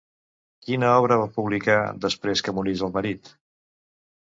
Quina obra va publicar després que morís el marit?